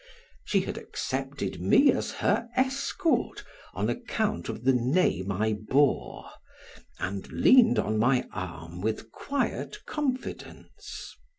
She had accepted me as her escort on account of the name I bore, and leaned on my arm with quiet confidence.